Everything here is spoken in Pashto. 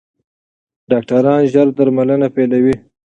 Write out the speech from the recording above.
ډاکټران ژر درملنه پیلوي.